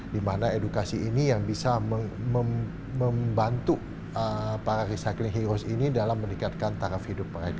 dimana edukasi ini yang bisa membantu para recycling heroes ini dalam meningkatkan taraf hidup mereka